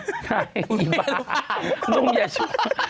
ไอ้บ้านุ่มอย่าช่วย